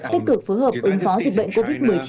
tích cực phối hợp ứng phó dịch bệnh covid một mươi chín